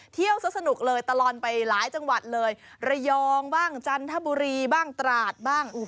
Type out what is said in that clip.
เที่ยวซะสนุกเลยตลอดไปหลายจังหวัดเลยระยองบ้างจันทบุรีบ้างตราดบ้าง